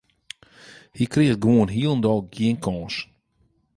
Hy kriget gewoan hielendal gjin kâns.